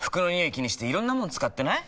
気にしていろんなもの使ってない？